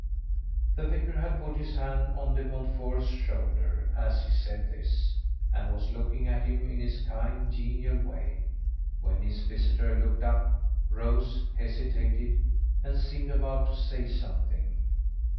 The vicar had put his hand on De Montfort's shoulder as he said this, and was looking at him in his kind, genial way, when his visitor looked up, rose, hesitated, and seemed about to say something.